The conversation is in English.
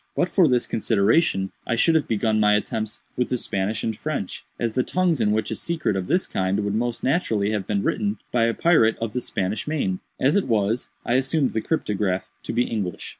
But for this consideration I should have begun my attempts with the Spanish and French, as the tongues in which a secret of this kind would most naturally have been written by a pirate of the Spanish main. As it was, I assumed the cryptograph to be English.